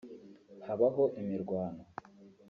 habaho imirwano